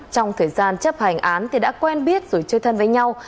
trong thời gian chấp hành án thì đã quen biết rồi chơi thân với nhau